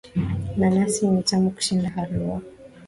Nanasi ni tamu kushinda halua